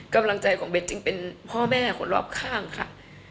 กำลังใจของเบสจึงเป็นพ่อแม่คนรอบข้างค่ะ